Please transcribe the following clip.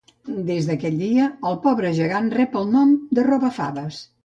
Des d'aquell dia, el pobre gegant rep el nom de Robafaves